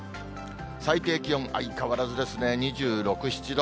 最低気温、相変わらずですね、２６、７度。